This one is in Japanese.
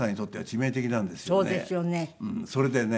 それでね